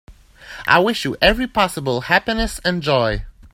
I wish you every possible happiness and joy.